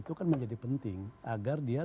itu kan menjadi penting agar dia